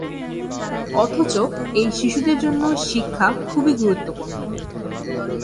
অথচ, এই শিশুদের জন্য শিক্ষা খুবই গুরুত্বপূর্ণ।